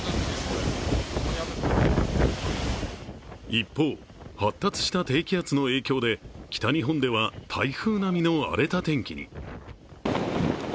一方、発達した低気圧の影響で北日本では台風並みの荒れた天気に。